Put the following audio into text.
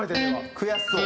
悔しそう。